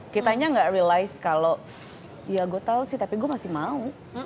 kitanya enggak realize kalau ya gue tahu sih tapi gue masih mau